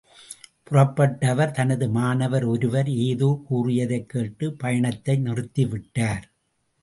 புறப்பட்ட அவர் தனது மாணவர் ஒருவர் ஏதோ கூறியதைக் கேட்டு பயணத்தை நிறுத்திவிட்டார்.